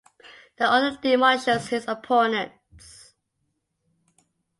The author demolishes his opponents.